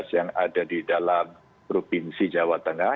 tujuh belas yang ada di dalam provinsi jawa tengah